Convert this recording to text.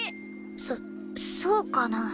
そそうかな？